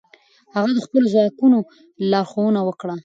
هغه د خپلو ځواکونو لارښوونه وکړه.